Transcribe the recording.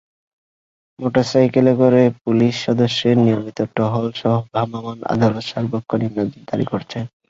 মোটরসাইকেলে করে পুলিশ সদস্যদের নিয়মিত টহলসহ ভ্রাম্যমাণ আদালত সার্বক্ষণিক নজরদারি করছে।